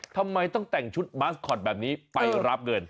ทำไมต้องแต่งชุดบาสคอตแบบนี้ไปรับเงิน